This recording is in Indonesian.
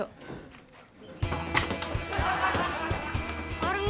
orang yang pake baju merahnya